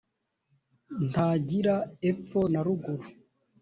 ntagira epfo na ruguru